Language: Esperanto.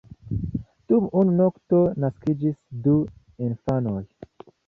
Dum unu nokto naskiĝis du infanoj.